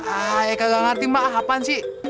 ah eh kagak ngerti mbak apaan sih